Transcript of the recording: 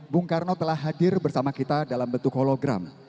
bung karno telah hadir bersama kita dalam bentuk hologram